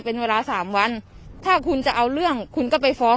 เป็นเวลาสามวันถ้าคุณจะเอาเรื่องคุณก็ไปฟ้อง